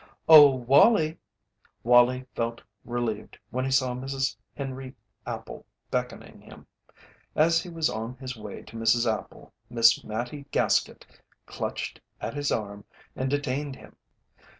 "Oh, Wallie!" Wallie felt relieved when he saw Mrs. Henry Appel beckoning him. As he was on his way to Mrs. Appel Miss Mattie Gaskett clutched at his arm and detained him.